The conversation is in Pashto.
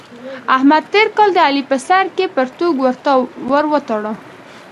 احمد تېر کال د علي په سر کې پرتوګ ور وتاړه.